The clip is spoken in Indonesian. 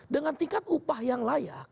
dengan tingkat upah yang layak